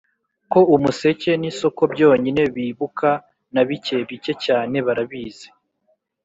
ko umuseke n'isoko byonyine bibuka, na bike, bike cyane, barabizi!